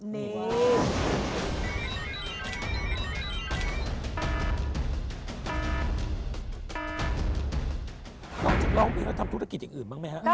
เราจะเล่าไปแล้วทำธุรกิจอย่างอื่นบ้างไหมครับ